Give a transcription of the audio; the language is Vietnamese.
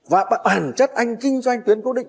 và ẩn chất anh kinh doanh tuyến cố định